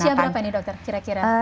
di usia berapa ini dokter kira kira